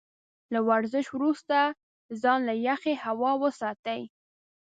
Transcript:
له ورزش وروسته ځان له يخې هوا وساتئ.